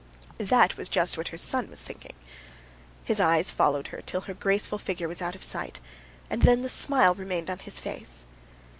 That was just what her son was thinking. His eyes followed her till her graceful figure was out of sight, and then the smile remained on his face.